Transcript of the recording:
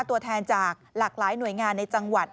ตัวแทนจากหลากหลายหน่วยงานในจังหวัด